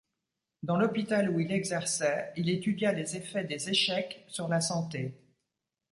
Dans l'hôpital où il exerçait, il étudia les effets des échecs sur la santé.